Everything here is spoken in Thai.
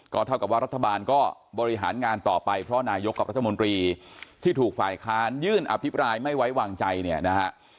เท่ากับว่ารัฐบาลก็บริหารงานต่อไปเพราะนายกกับรัฐมนตรีที่ถูกฝ่ายค้านยื่นอภิปรายไม่ไว้วางใจเนี่ยนะฮะ